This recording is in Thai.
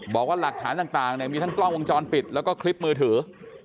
บอกว่าหลักฐานต่างมีทั้งกล้องวงจรปิดแล้วก็คลิปมือถือ